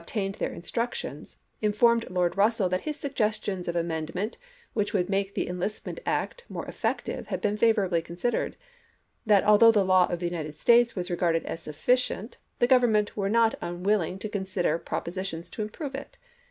tained their instructions, informed Lord Russell that his suggestions of amendment which would make the Enlistment Act more effective had been favorably considered ; that although the law of the United States was regarded as sufficient, the Grov ernment were not unwilling to consider propositions to improve it.